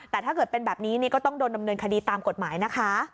แต่ถ้าเกิดเป็นแบบนี้นี่ก็ต้องโดนดำเนินคดีตามกฎหมายนะคะ